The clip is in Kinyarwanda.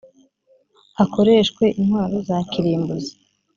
hakoreshwe intwaro za kirimbuzi